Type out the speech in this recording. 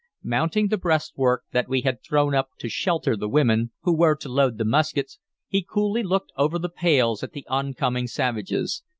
Mounting the breastwork that we had thrown up to shelter the women who were to load the muskets, he coolly looked over the pales at the oncoming savages.